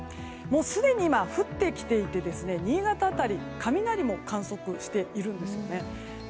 もう、すでに今降ってきていて新潟辺りは雷も観測しているんですね。